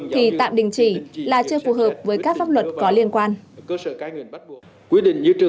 thì tạm đình chỉ là chưa phù hợp với các pháp luật có liên quan